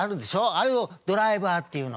あれをドライバーっていうの」。